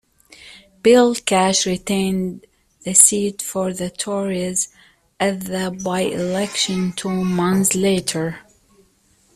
Bill Cash retained the seat for the Tories at the by-election two months later.